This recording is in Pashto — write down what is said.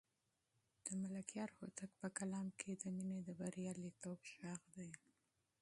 د ملکیار هوتک په کلام کې د مینې د بریالیتوب غږ دی.